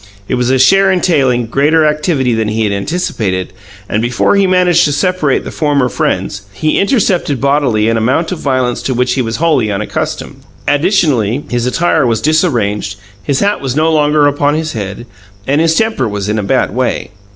It was a share entailing greater activity than he had anticipated, and, before he managed to separate the former friends, he intercepted bodily an amount of violence to which he was wholly unaccustomed. Additionally, his attire was disarranged; his hat was no longer upon his head, and his temper was in a bad way.